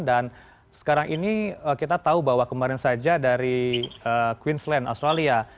dan sekarang ini kita tahu bahwa kemarin saja dari queensland australia